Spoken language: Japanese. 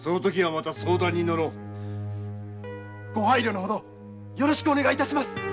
ご配慮のほどよろしくお願いいたします。